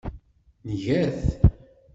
Nga-t.